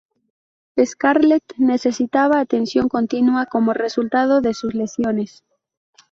Scarlett necesitaba atención continua como resultado de sus lesiones.